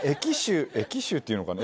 駅臭っていうのかな？